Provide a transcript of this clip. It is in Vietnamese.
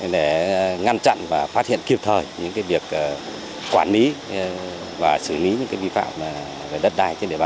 để ngăn chặn và phát hiện kịp thời những việc quản lý và xử lý những vi phạm về đất đai